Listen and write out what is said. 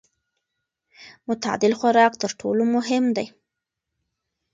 متعادل خوراک تر ټولو مهم دی.